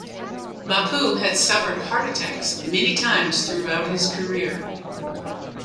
Bapu had suffered heart attacks many times throughout his career.